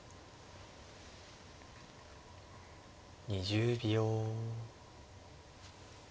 ２０秒。